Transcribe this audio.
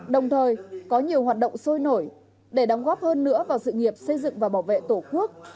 đồng thời có nhiều hoạt động sôi nổi để đóng góp hơn nữa vào sự nghiệp xây dựng và bảo vệ tổ quốc